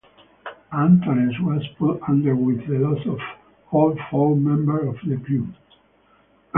"Antares" was pulled under with the loss of all four members of the crew.